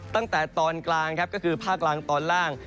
ตั้งแต่ตอนกลางครับก็คือภาคล่างตอนล่าง